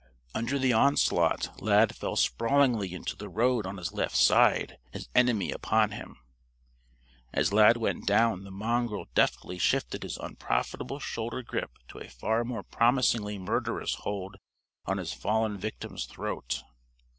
Under the onslaught Lad fell sprawlingly into the road on his left side, his enemy upon him. As Lad went down the mongrel deftly shifted his unprofitable shoulder grip to a far more promisingly murderous hold on his fallen victim's throat.